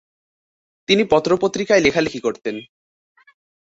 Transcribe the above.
তিনি পত্র-পত্রিকায় লেখালিখি করতেন।